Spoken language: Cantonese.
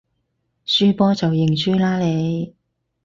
輸波就認輸啦你